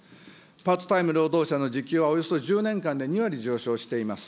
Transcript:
パートタイム労働者の時給はおよそ１０年間で２割上昇しております。